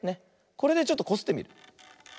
これでちょっとこすってみる。